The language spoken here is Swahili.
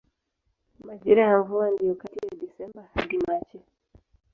Majira ya mvua ndiyo kati ya Desemba hadi Machi.